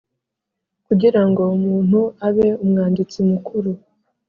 Kugira ngo umuntu abe Umwanditsi Mukuru